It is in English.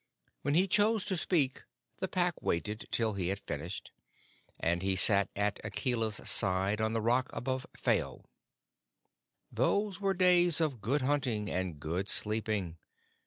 When he chose to speak the Pack waited till he had finished, and he sat at Akela's side on the rock above Phao. Those were days of good hunting and good sleeping.